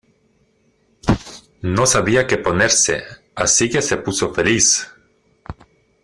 No sabía que ponerse, asi que se puso feliz.